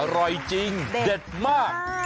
อร่อยจริงเด็ดมาก